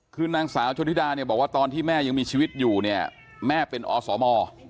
คือนางสาวโชธิดาบอกว่าตอนที่แม่ยังมีชีวิตอยู่แม่เป็นอสม